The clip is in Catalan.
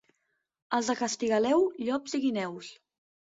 Els de Castigaleu, llops i guineus.